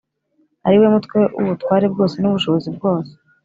ari we Mutwe w’ubutware bwose n’ubushobozi bwose